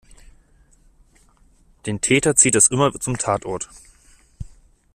Den Täter zieht es immer zum Tatort.